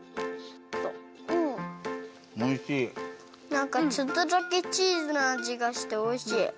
なんかちょっとだけチーズのあじがしておいしい。